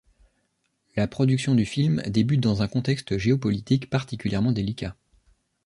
La production du film débute dans un contexte géopolitique particulièrement délicat.